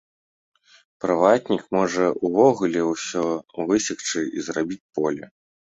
Прыватнік можа ўвогуле ўсё высекчы і зрабіць поле.